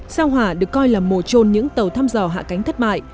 sao hỏa được coi là mồ trồn những tàu thăm dò hạ cánh thất bại